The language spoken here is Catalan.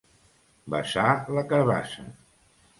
Besar la carabassa.